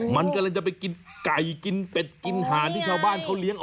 มันกำลังจะไปกินไก่กินเป็ดกินหานที่ชาวบ้านเขาเลี้ยงออก